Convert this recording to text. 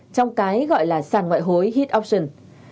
trong cái gọi là sản ngoại hối hit option